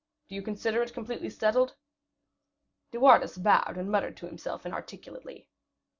Do you consider it completely settled?" De Wardes bowed, and muttered to himself inarticulately.